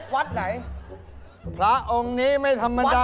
วัดไหนพระองค์นี้ไม่ธรรมดา